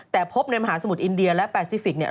แต่พบในมหาสมุทรอินเดียและแปซิฟิกเนี่ย